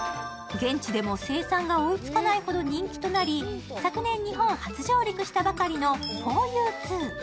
現地でも生産が追いつかないほどの人気となり、昨年、日本初上陸したばかりの４Ｕ２。